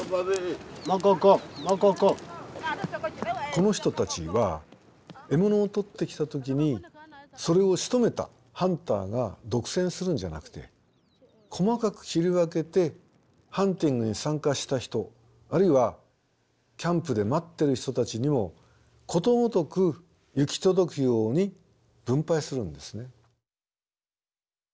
この人たちは獲物をとってきた時にそれをしとめたハンターが独占するんじゃなくて細かく切り分けてハンティングに参加した人あるいはキャンプで待ってる人たちにもことごとく行き届くように分配するんですね。